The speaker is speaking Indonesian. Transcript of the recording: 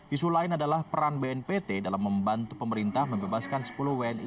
isu lain adalah peran bnpt dalam membantu pemerintah membebaskan sepuluh wni